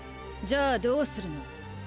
じゃあどうするの？